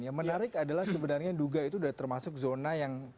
yang menarik adalah sebenarnya duga itu sudah termasuk zona yang